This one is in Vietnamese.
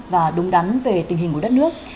và đúng đắn về tình hình của đất nước